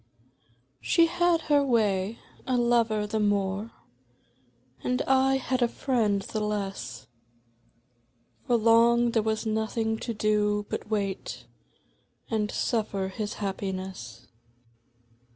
She had her way ; a lover the more, And I had a friend the less. For long there was nothing to do but wait And suffer his happiness.